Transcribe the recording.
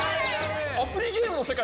アプリゲームの世界。